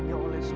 pinter kamu tahu